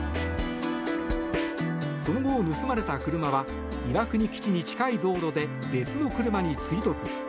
その後、盗まれた車は岩国基地に近い道路で別の車に追突。